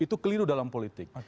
itu keliru dalam politik